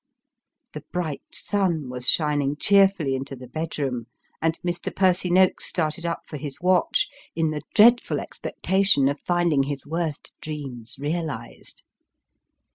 The bright sun was shining cheerfully into the bedroom, and Mr. Percy Noakes started up for his watch, in the dreadful expectation of finding his worst dreams realised.